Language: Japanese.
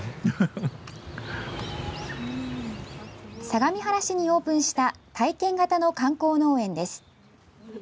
相模原市にオープンした体験型の観光農園です。